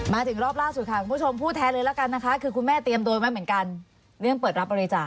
มาถึงรอบล่าสุดค่ะคุณผู้ชมพูดแท้เลยละกันนะคะคือคุณแม่เตรียมโดนไว้เหมือนกันเรื่องเปิดรับบริจาค